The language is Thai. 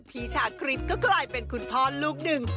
พี่ชาคริสต์ก็กลายเป็นคุณพอร์ลูกหนึ่ง